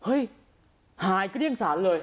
เฮ้ยหายก็เรียงสารเลย